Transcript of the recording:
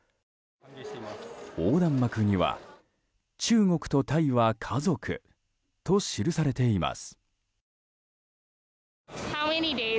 横断幕には、中国とタイは家族と記されています。